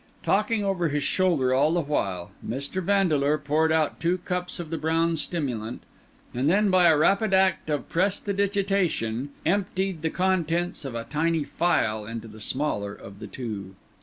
Talking over his shoulder all the while, Mr. Vandeleur poured out two cups of the brown stimulant, and then, by a rapid act of prestidigitation, emptied the contents of a tiny phial into the smaller of the two.